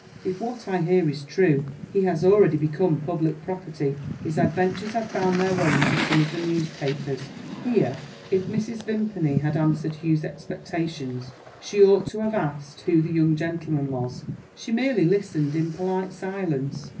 If what I hear is true, he has already become public property; his adventures have found their way into some of the newspapers." Here, if Mrs. Vimpany had answered Hugh's expectations, she ought to have asked who the young gentleman was. She merely listened in polite silence.